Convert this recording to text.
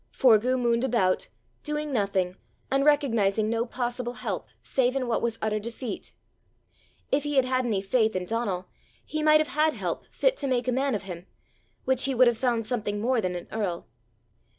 Forgue mooned about, doing nothing, and recognizing no possible help save in what was utter defeat. If he had had any faith in Donal, he might have had help fit to make a man of him, which he would have found something more than an earl.